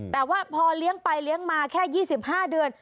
แต่ว่าพอเลี้ยงไปเลี้ยงมาแค่๒๕เดือน